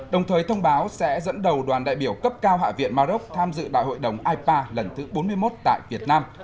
đồng thời thông báo sẽ dẫn đầu đoàn đại biểu cấp cao hạ viện maroc tham dự đại hội đồng ipa lần thứ bốn mươi một tại việt nam